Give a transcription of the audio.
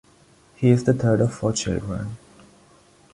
He is the third of four children.